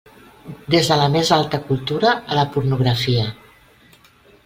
Des de la més alta cultura a la pornografia.